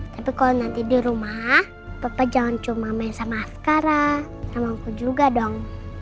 tapi kalau nanti di rumah papa jangan cuma main sama sekarang sama aku juga dong